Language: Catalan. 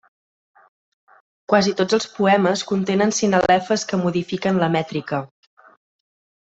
Quasi tots els poemes contenen sinalefes que modifiquen la mètrica.